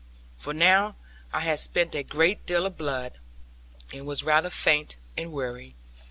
For now I had spent a great deal of blood, and was rather faint and weary.